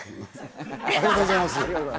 ありがとうございます。